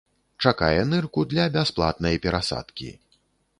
Чакае нырку для бясплатнай перасадкі.